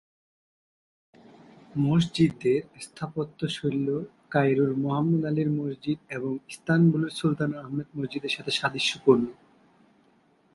মসজিদের স্থাপত্যশৈলী কায়রোর মুহাম্মদ আলীর মসজিদ এবং ইস্তাম্বুলের সুলতান আহমেদ মসজিদের সাথে সাদৃশ্যপূর্ণ।